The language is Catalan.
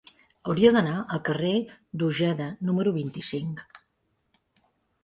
Hauria d'anar al carrer d'Ojeda número vint-i-cinc.